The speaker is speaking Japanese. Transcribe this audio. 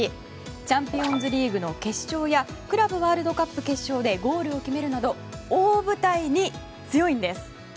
チャンピオンズリーグの決勝やクラブワールドカップ決勝でゴールを決めるなど大舞台に強いんです。